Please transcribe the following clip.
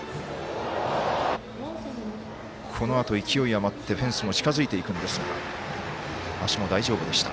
このあと、勢い余ってフェンスに近づいていくんですが足も大丈夫でした。